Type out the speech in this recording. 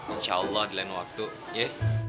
insya allah di lain waktu ya